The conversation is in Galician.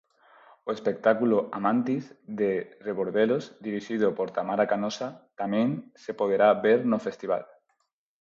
O espectáculo Amantis, de Rebordelos, dirixido por Tamara Canosa, tamén se poderá ver no festival.